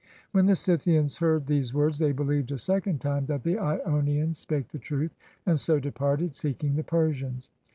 When the Scythians heard these words they believed a second time that the lonians spake the truth, and so departed, seeking the Persians.